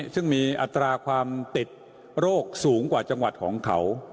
ซึ่งมีอัตราความติดโรคสูงกว่าจังหวัดของเขา